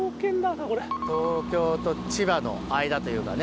東京と千葉の間というかね。